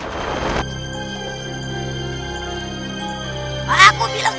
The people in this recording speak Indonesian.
jangan kabur kamu silman musuh